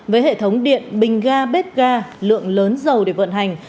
với hệ thống điện bình ga bếp ga lượng lớn dầu để vận hành